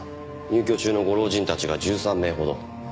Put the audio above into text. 入居中のご老人たちが１３名ほど。